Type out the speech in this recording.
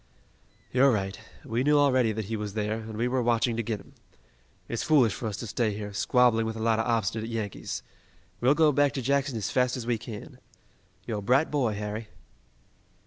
"You're right. We knew already that he was there, and we were watching to get him. It's foolish for us to stay here, squabbling with a lot of obstinate Yankees. We'll go back to Jackson as fast as we can. You're a bright boy, Harry."